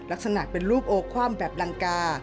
ลักษณะเป็นรูปโอคว่ำแบบลังกา